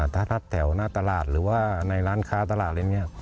ถ้าแถวหน้าตลาดหรือว่าในร้านค้าตลาดอะไรอย่างนี้